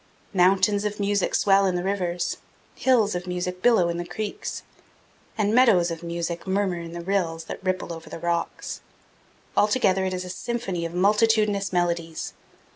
Mountains of music swell in the rivers, hills of music billow in the creeks, and meadows of music murmur in the rills that ripple over the rocks. Altogether it is a symphony of multitudinous melodies.